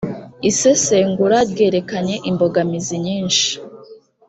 isesengura ryerekanye imbogamizi nyishii